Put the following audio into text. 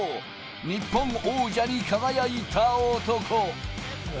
日本王者に輝いた男。